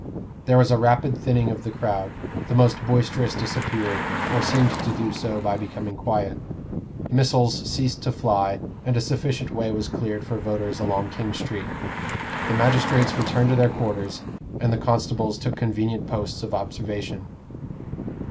There was a rapid thinning of the crowd: the most boisterous disappeared, or seemed to do so by becoming quiet; missiles ceased to fly, and a sufficient way was cleared for voters along King Street. The magistrates returned to their quarters, and the constables took convenient posts of observation.